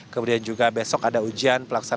kemudian juga besok ada ujian pelaksanaan